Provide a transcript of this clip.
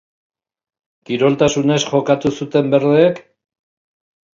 Kiroltasunez jokatu zuten berdeek?